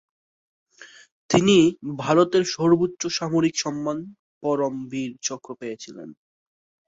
তিনি ভারতের সর্বোচ্চ সামরিক সম্মান পরম বীর চক্র পেয়েছিলেন।